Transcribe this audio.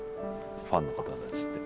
ファンの方たちって。